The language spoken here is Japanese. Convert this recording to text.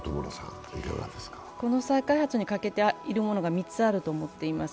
この再開発にかけているものが３つあると思っています。